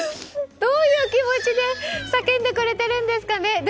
どういう気持ちで叫んでくれてるんですかね。